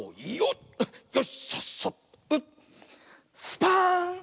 スパーン！